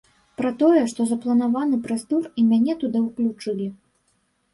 Пра тое, што запланаваны прэс-тур і мяне туды ўключылі.